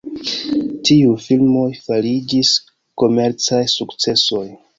Tiuj filmoj fariĝis komercaj sukcesoj.